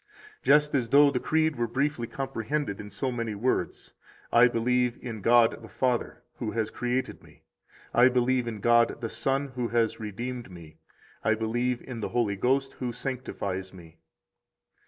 7 Just as though the Creed were briefly comprehended in so many words: I believe in God the Father, who has created me; I believe in God the Son, who has redeemed me; I believe in the Holy Ghost, who sanctifies me.